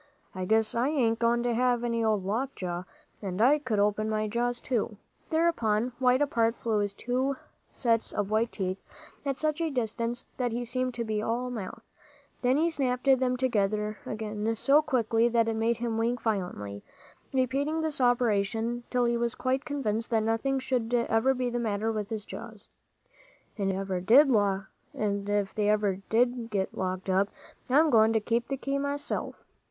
"I guess I ain't going to have any old lockjaw. And I could open my jaws, too." Thereupon wide apart flew his two sets of white teeth, at such a distance that he seemed to be all mouth. Then he snapped them together again so quickly that it made him wink violently; repeating this operation till he was quite convinced that nothing should ever be the matter with his jaws. "And if they ever do get locked up, I'm goin' to keep the key myself."